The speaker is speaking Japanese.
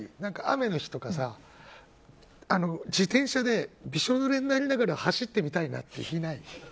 雨の日とか自転車でびしょぬれになりながら走ってみたいなっていう日ない？